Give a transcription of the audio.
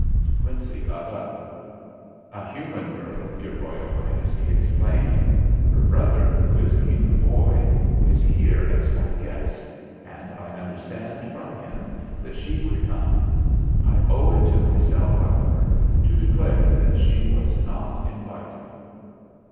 De Quincey got up. "A human girl, your Royal Highness," he explained. "Her brother, who is a human boy, is here as my guest, and I understand from him that she would come. I owe it to myself, however, to declare that she was not invited."